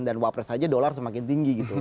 dan wakil presiden saja dolar semakin tinggi gitu